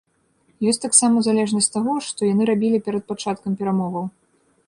Ёсць таксама залежнасць таго, што яны рабілі перад пачаткам перамоваў.